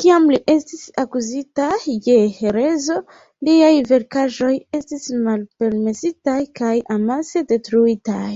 Kiam li estis akuzita je herezo, liaj verkaĵoj estis malpermesitaj kaj amase detruitaj.